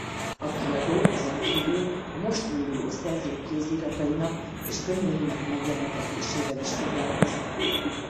A kiadó ezenkívül a most induló szerzők kéziratainak és könyveinek megjelentetésével is foglalkozik.